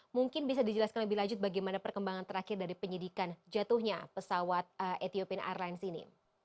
mungkin bisa dijelaskan lebih lanjut bagaimana perkembangan terakhir dari penyidikan jatuhnya pesawat ethiopine airlines ini